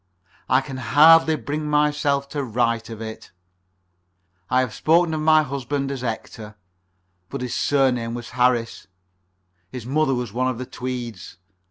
I can hardly bring myself to write of it. I have spoken of my husband as Hector, but his surname was Harris his mother was one of the Tweeds.